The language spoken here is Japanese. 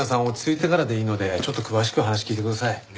落ち着いてからでいいのでちょっと詳しく話聞いてください。